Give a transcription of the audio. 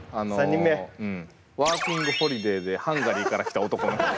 ワーキングホリデーでハンガリーから来た男の人。